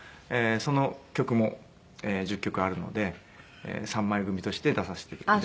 その曲も１０曲あるので３枚組として出させて頂く。